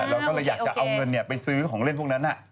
เราก็เลยอยากจะเอาเงินไปซื้อของเล่นพวกนั้น